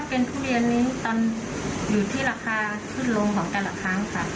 ถ้าเป็นทุเรียนนี้อยู่ที่ราคาขึ้นลงของการหลักค้างค่ะ